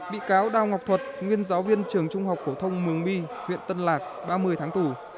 bị cáo đao ngọc thuật nguyên giáo viên trường trung học phổ thông mường bi huyện tân lạc ba mươi tháng tù